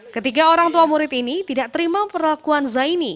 ketiga orang tua murid ini tidak terima perlakuan zaini